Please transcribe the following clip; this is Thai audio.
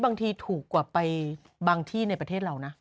บางทีถูกกว่าไปบางที่ในประเทศเรานะ